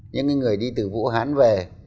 những người đi từ vũ hán về